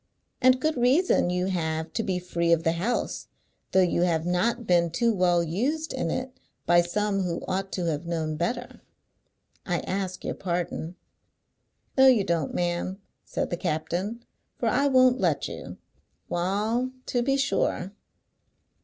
"And good reason you have to be free of the house, though you have not been too well used in it by some who ought to have known better. I ask your pardon." "No you don't, ma'am," said the captain, "for I won't let you. Wa'al, to be sure!"